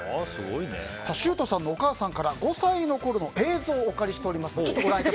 柊人さんのお母さんから５歳のころの映像をお借りしております。